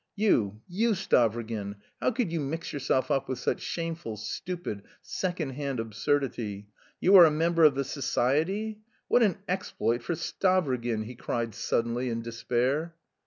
"You, you, Stavrogin, how could you mix yourself up with such shameful, stupid, second hand absurdity? You a member of the society? What an exploit for Stavrogin!" he cried suddenly, in despair.